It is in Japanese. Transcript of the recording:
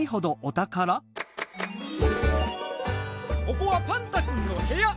ここはパンタくんのへや。